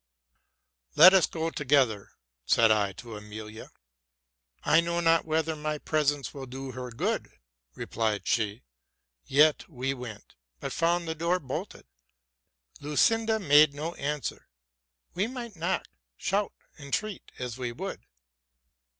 ''Let us go together,''? said I to Emilia. '+I know not whether my presence will do her good,'' replied she. Yet we went, but found the door bolted. Lucinda made no answer, we might knock, shout, entreat, as we would.